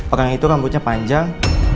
orang itu rambutnya panjang